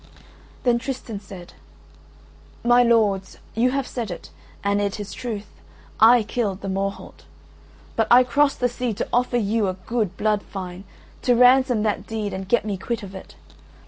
Then Tristan said: "My lords, you have said it, and it is truth: I killed the Morholt. But I crossed the sea to offer you a good blood fine, to ransom that deed and get me quit of it.